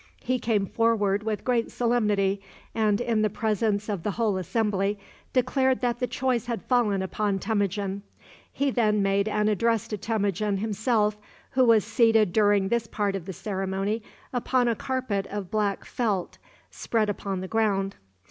He came forward with great solemnity, and, in the presence of the whole assembly, declared that the choice had fallen upon Temujin. He then made an address to Temujin himself, who was seated during this part of the ceremony upon a carpet of black felt spread upon the ground.